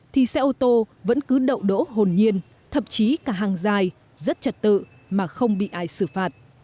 thì xe ô tô vẫn cứ đậu đỗ hồn nhiên thậm chí cả hàng dài rất trật tự mà không bị ai xử phạt